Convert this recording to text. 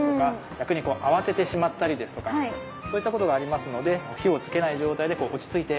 逆にこう慌ててしまったりですとかそういったことがありますので火をつけない状態でこう落ち着いて。